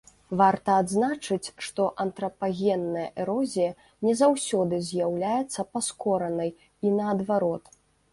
Варта адзначыць, што антрапагенная эрозія не заўсёды з'яўляецца паскоранай, і наадварот.